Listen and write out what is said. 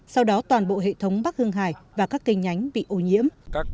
sau đó toàn bộ hệ thống bắc hương hải và các kênh nhánh bị ô nhiễm